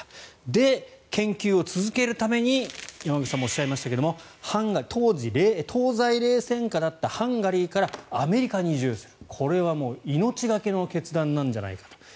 で、研究を続けるために山口さんもおっしゃいましたが当時、東西冷戦下だったハンガリーからアメリカに移住するこれは命懸けの決断なんじゃないかと。